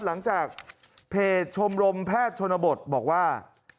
หลังจากเพจชมรมแพทย์ชนบทบอกว่า